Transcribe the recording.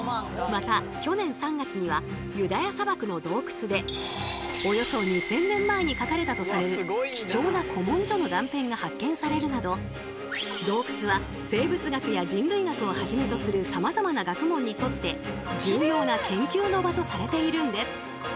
また去年３月にはユダヤ砂漠の洞窟でおよそ２，０００年前に書かれたとされる貴重な古文書の断片が発見されるなど洞窟は生物学や人類学をはじめとするさまざまな学問にとって重要な研究の場とされているんです。